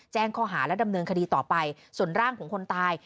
แจ้งข้อหาและดำเนินคดีต่อไปส่วนร่างของคนตาย